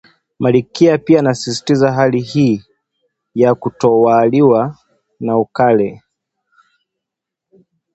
Malkia pia anasisitiza hali hii ya kutotawaliwa na ukale